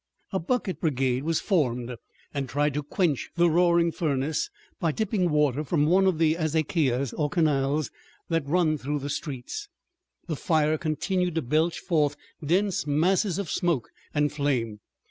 A bucket brigade was formed and tried to quench the roaring furnace by dipping water from one of the azequias, or canals, that run through the streets. The fire continued to belch forth dense masses of smoke and flame.